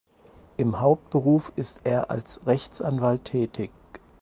Im Hauptberuf ist er als Rechtsanwalt tätig.